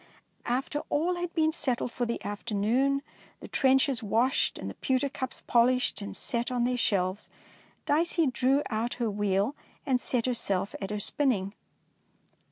After all had been settled for the afternoon, the trenchers washed and the pewter cups polished and set on their shelves. Dicey drew out her wheel and set herself at her spinning.